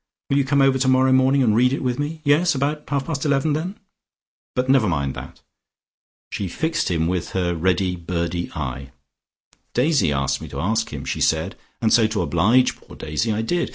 Will you come over tomorrow morning and read it with me? Yes? About half past eleven, then. But never mind that." She fixed him with her ready, birdy eye. "Daisy asked me to ask him," she said, "and so to oblige poor Daisy I did.